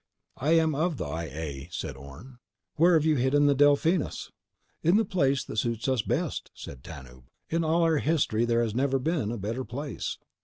"I am of the I A," said Orne. "Where've you hidden the Delphinus?" "In the place that suits us best," said Tanub. "In all our history there has never been a better place."